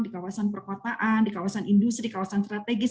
di kawasan perkotaan di kawasan industri di kawasan strategis